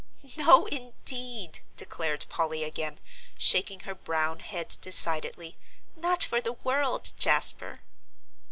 "No, indeed!" declared Polly again, shaking her brown head decidedly, "not for the world, Jasper."